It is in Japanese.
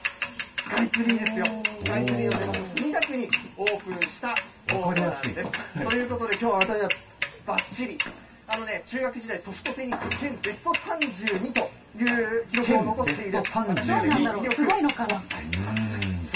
スカイツリーのおひざ元、墨田区にオープンしたコートなんです。ということできょう、私はばっちり、中学時代、ソフトテニス県ベスト３２という記録を残している。